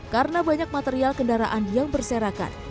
karena banyak material kendaraan yang berserakan